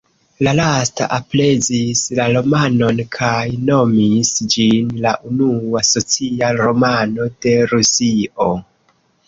La lasta aprezis la romanon kaj nomis ĝin la unua "socia romano" de Rusio.